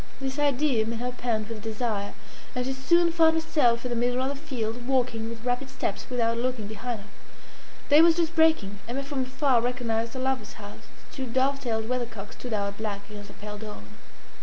This idea made her pant with desire, and she soon found herself in the middle of the field, walking with rapid steps, without looking behind her. Day was just breaking. Emma from afar recognised her lover's house. Its two dove tailed weathercocks stood out black against the pale dawn.